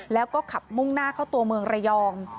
แล้วก็ขับมุ่งหน้าเข้าตัวเมืองระยอง